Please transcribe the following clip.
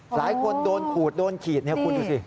หลายคนโดนขูดโดนขีดคุณดูสิ